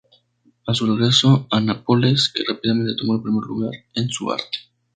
A su regreso a Nápoles que rápidamente tomó el primer lugar en su arte.